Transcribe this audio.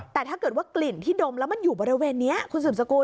แต่ถ้าเกิดว่ากลิ่นที่ดมแล้วมันอยู่บริเวณนี้คุณสืบสกุล